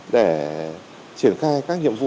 để triển khai các nhiệm vụ